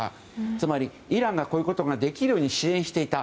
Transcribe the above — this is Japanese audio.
つまり、イランがこういうことができるように支援していた。